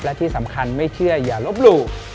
และที่สำคัญไม่เชื่ออย่าลบหลู่